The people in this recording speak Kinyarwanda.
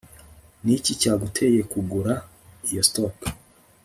niki cyaguteye kugura iyo stock